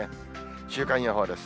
週間予報です。